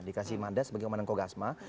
dikasih mandat sebagai pemanah kogasma